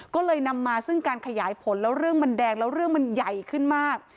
ก็เลยนำมาซึ่งการขยายผลแล้วเรื่องมันแดงแล้วเรื่องมันใหญ่ขึ้นมาก